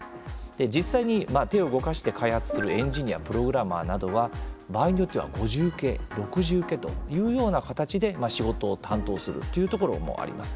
実際に手を動かして開発するエンジニア、プログラマーなどは場合によっては５次請け６次請けというような形で仕事を担当するというところもあります。